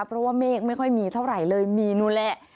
เพราะว่าเมฆไม่ค่อยมีเท่าไหร่เลยมีนู่นแหละ